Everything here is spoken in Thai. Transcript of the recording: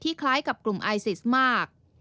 คล้ายกับกลุ่มไอซิสมาก